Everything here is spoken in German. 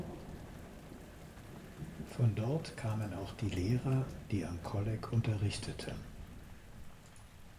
Von dort kamen auch die Lehrer, die am Kolleg unterrichteten.